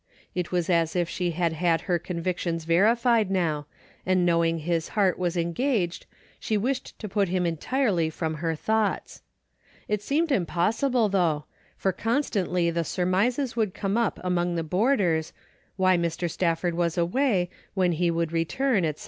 It was as if she had had her convictions verified now, and know ing his heart was engaged she wished to put him entirely from her thoughts. It seemed impossible though, for constantly the surmises would come up among the boarders, why Mr. Stafford was away, when he would return, etc.